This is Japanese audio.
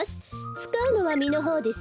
つかうのはみのほうですよ。